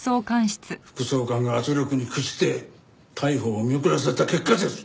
副総監が圧力に屈して逮捕を見送らせた結果です！